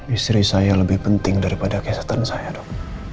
istri saya lebih penting daripada kesehatan saya dok